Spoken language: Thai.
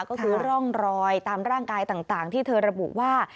ก็คือร่องรอยตามร่างกายต่างที่เธอระบุว่า